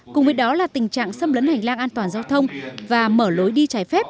cùng với đó là tình trạng xâm lấn hành lang an toàn giao thông và mở lối đi trái phép